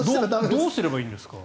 どうすればいいんですか？